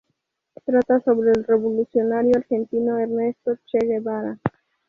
Trata sobre el revolucionario argentino Ernesto "Che" Guevara.